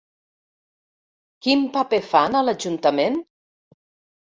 Quin paper fan a l'Ajuntament?